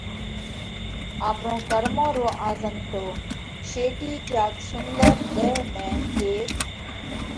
آپرون ڪرمون رو آزمتو: شيٽِي ڪياڪ سُنۮر ۮيه ۾ هيڪ